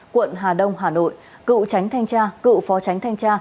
quận hà đông hà nội cựu tránh thanh tra cựu phó tránh thanh tra